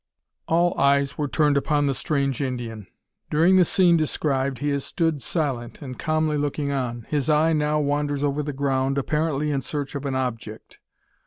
All eyes were turned upon the strange Indian. During the scene described he has stood silent, and calmly looking on. His eye now wanders over the ground, apparently in search of an object.